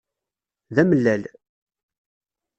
D amellal.